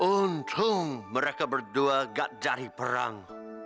untung mereka berdua tidak jadi perang